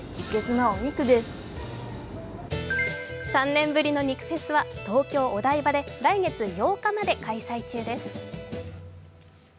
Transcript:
３年ぶりの肉フェスは東京・お台場で来月８日まで開催中です。